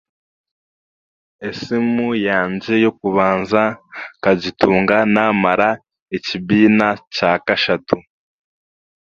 Esimu yangye ey'okubanza nkagitunga naamara ekibiina kya kashatu.